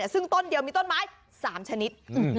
ซึ่งต้นเดียวมีต้นไม้๓ชนิด